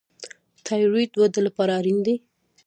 تایرویډ وده لپاره اړین دی.